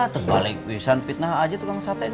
terbalik wisan fitnah aja tukang sate